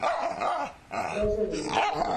Res a dir.